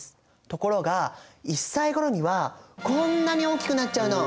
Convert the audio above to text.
ところが１歳ごろにはこんなに大きくなっちゃうの！